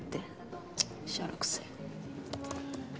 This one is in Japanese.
しゃらくせえ。